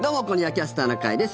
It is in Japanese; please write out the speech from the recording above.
「キャスターな会」です。